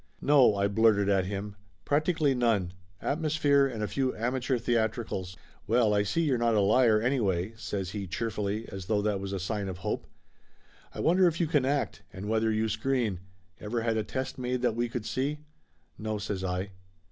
"No," I blurted at him. "Practically none. Atmos phere and a few amateur theatricals." "Well, I see you're not a liar, anyway," says he cheerfully, as though that was a sign of hope. "I wonder if you can act, and whether you screen? Ever had a test made that we could see ?" "No," says I.